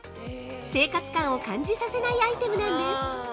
生活感を感じさせないアイテムなんです。